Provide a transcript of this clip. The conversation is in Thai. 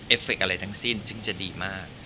เฟคอะไรทั้งสิ้นซึ่งจะดีมาก